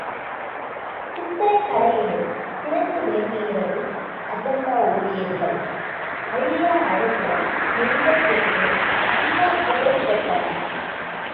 சித்திரக் கலையிலும் சிறந்தே விளங்கியிருக்கிறது, அஜந்தா ஓவியங்கள் அழியா அழகுடன் எழுதப் பெற்று மங்காப் புகழ் பெற்றன.